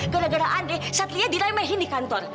gara gara andre satria diremehin di kantor